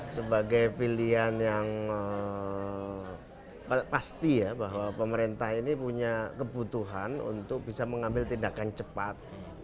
sebagai pilihan yang pasti ya bahwa pemerintah ini punya kebutuhan untuk bisa mengambil tindakan cepat